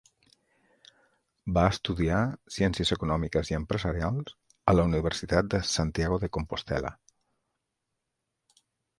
Va estudiar ciències econòmiques i empresarials a la Universitat de Santiago de Compostel·la.